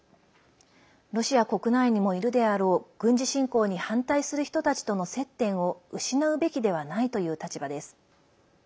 ロシア国内にもいるであろう軍事侵攻に反対する人たちとの接点を失うべきではないという立場です。